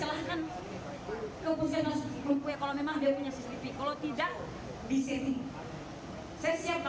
kalau tidak bisa dikumpulkan ke puskesmas rumpuy